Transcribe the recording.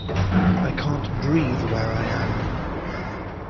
I can't breathe where I am.